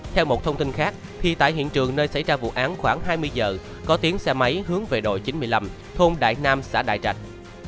theo một thông tin khác thì tại hiện trường nơi xảy ra vụ án khoảng hai mươi giờ có tiếng xe máy hướng về đội chín mươi năm thôn đại nam xã đại trạch